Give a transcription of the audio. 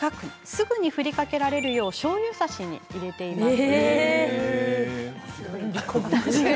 すぐに、振りかけられるようしょうゆ差しに入れています。